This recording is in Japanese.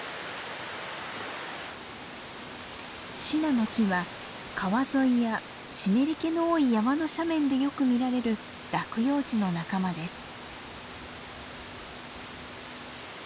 シナノキは川沿いや湿り気の多い山の斜面でよく見られる落葉樹の仲間です。